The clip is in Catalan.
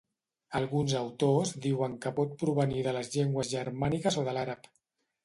Alguns autors diuen que pot provenir de les llengües germàniques o de l'àrab.